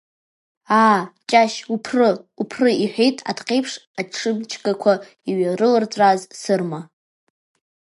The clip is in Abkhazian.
Аа, Ҷашь уԥры, уԥры, — иҳәеит, ахҭҟьеиԥш аҽымчгақәа иҩарылҵәрааз Сырма.